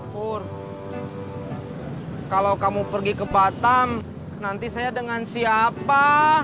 kalau kamu pergi ke batam nanti saya dengan siapa